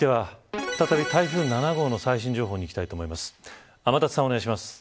続いては、再び台風７号の最新情報にいきたいと思います。